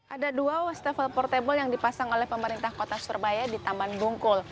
ada dua wastafel portable yang dipasang oleh pemerintah kota surabaya di taman bungkul